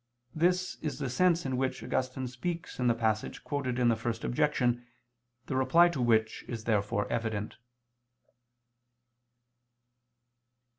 This is the sense in which Augustine speaks in the passage quoted in the First Objection, the Reply to which is therefore evident.